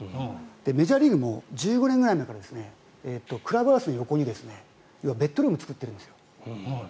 メジャーリーグも１５年ぐらいからクラブハウスの横にベッドルームを作ってるんですよ。